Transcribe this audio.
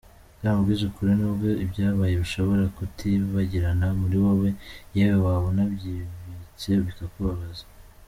Uzamubwize ukuri, n’ubwo ibyabaye bishobora kutibagirana muri wowe, yewe waba unabyibitse bikakubabaza.